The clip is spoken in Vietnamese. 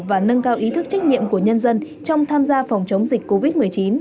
và nâng cao ý thức trách nhiệm của nhân dân trong tham gia phòng chống dịch covid một mươi chín